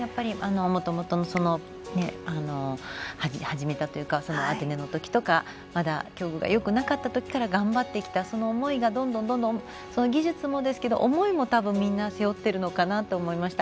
もともとのアテネのときとかまだ競技がよくなかったときからその思いがどんどん技術もですけど思いもたぶん、みんな背負っているのかなと思いました。